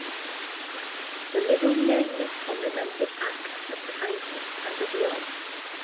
The little, nameless, unremembered acts Of kindness and of love.